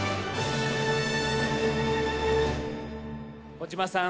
小島さん